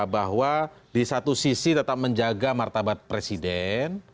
bahwa di satu sisi tetap menjaga martabat presiden